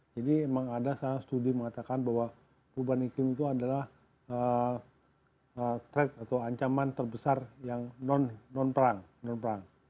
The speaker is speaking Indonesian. jadi memang ada salah satu studi mengatakan bahwa perubahan iklim itu adalah threat atau ancaman terbesar yang non perang